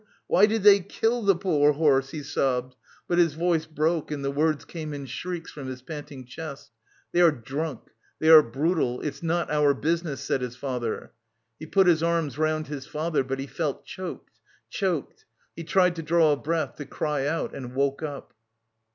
Why did they... kill... the poor horse!" he sobbed, but his voice broke and the words came in shrieks from his panting chest. "They are drunk.... They are brutal... it's not our business!" said his father. He put his arms round his father but he felt choked, choked. He tried to draw a breath, to cry out and woke up.